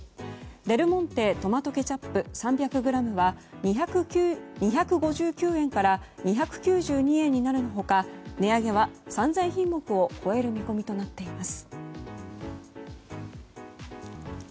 デルモンテトマトケチャップ３００ｇは２５９円から２９２円になる他値上げは３０００品目を超える見込みとなっています。